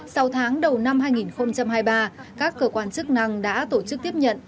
sau tháng đầu năm hai nghìn hai mươi ba các cơ quan chức năng đã tổ chức tiếp nhận